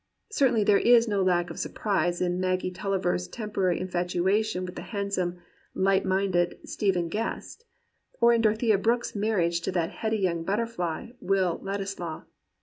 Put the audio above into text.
Certainly there is no lack of surprize in Maggie TuUiver's temporary infatuation with the handsome, light minded Stephen Guest, or in Dorothea Brooke*s marriage to that heady young butterfly, Will Ladislaw.